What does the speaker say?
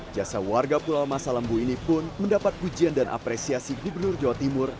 jasa warga pulau masa lembu ini pun mendapat pujian dan apresiasi gubernur jawa timur